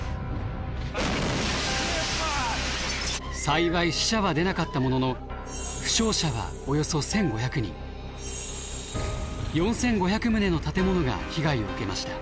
幸い死者は出なかったものの負傷者はおよそ１，５００人４，５００棟の建物が被害を受けました。